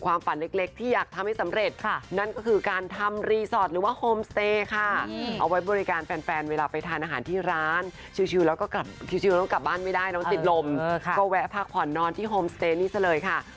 ความฝันเล็กที่อยากทำให้สำเร็จค่ะ